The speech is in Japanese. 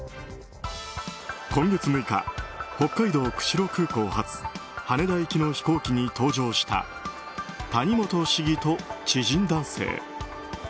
今月６日、北海道釧路空港発羽田空港行きの飛行機に搭乗した谷本市議と知人男性。